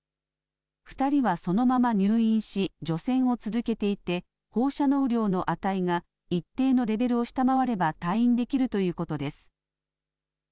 ２人はそのまま入院し除染を続けていて放射能量の値が一定のレベルを下回れば退院できるということです。